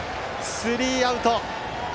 スリーアウト！